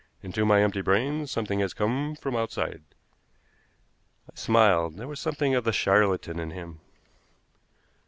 Into my empty brain something has come from outside." I smiled. There was something of the charlatan in him.